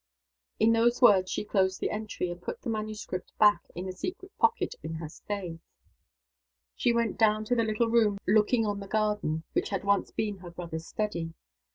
In those words she closed the entry, and put the manuscript back in the secret pocket in her stays. She went down to the little room looking on the garden, which had once been her brother's study.